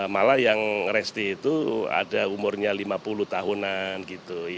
malah yang resti itu ada umurnya lima puluh tahunan gitu